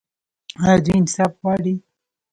او دوی انصاف غواړي.